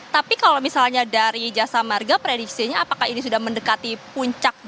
tapi kalau misalnya dari jasa marga prediksinya apakah ini sudah mendekati puncak